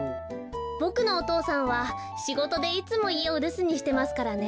ボクのお父さんはしごとでいつもいえをるすにしてますからね。